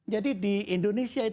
jadi di indonesia